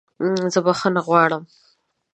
زه بخښنه غواړم!